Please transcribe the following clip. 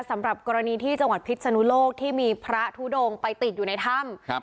สำหรับกรณีที่จังหวัดพิษนุโลกที่มีพระทุดงไปติดอยู่ในถ้ำครับ